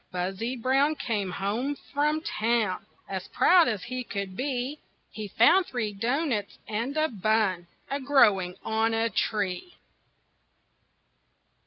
Buzzy Brown came home from town As proud as he could be, He found three doughnuts and a bun A growing on a tree.